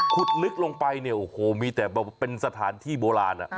ลึกลงไปเนี่ยโอ้โหมีแต่แบบเป็นสถานที่โบราณ